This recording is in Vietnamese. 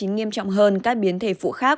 nghiêm trọng hơn các biến thể phụ khác